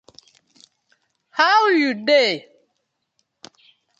How yu dey?